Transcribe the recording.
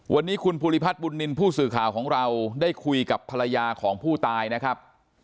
วันนี้คุณภูริพัฒน์บุญนินทร์ผู้สื่อข่าวของเราได้คุยกับภรรยาของผู้ตายนะครับ